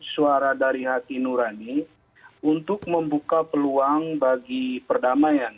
suara dari hati nurani untuk membuka peluang bagi perdamaian